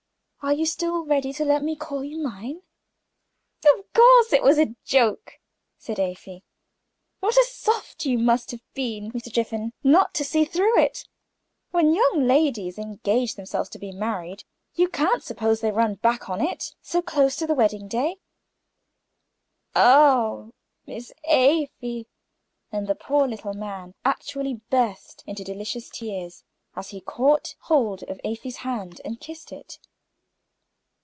"Are you still ready to let me call you mine?" "Of course it was a joke," said Afy. "What a soft you must have been, Mr. Jiffin, not to see through it! When young ladies engage themselves to be married, you can't suppose they run back from it, close upon the wedding day?" "Oh, Miss Afy!" And the poor little man actually burst into delicious tears, as he caught hold of Afy's hand and kissed it.